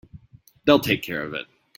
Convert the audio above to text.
They'll take care of it.